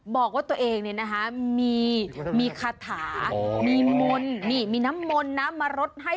บอกว่าตัวเองมีคาถามีมนท์มีน้ำมนต์มารดให้